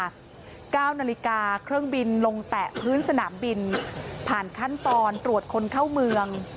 ๙นาฬิกาเครื่องบินลงแตะพื้นสนามบินผ่านขั้นตอนตรวจคนเข้าเมือง